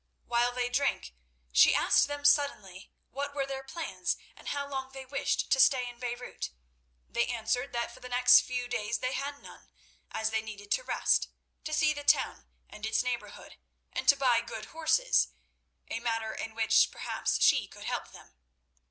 While they drank she asked them suddenly what were their plans, and how long they wished to stay in Beirut. They answered that for the next few days they had none, as they needed to rest, to see the town and its neighbourhood, and to buy good horses—a matter in which perhaps she could help them.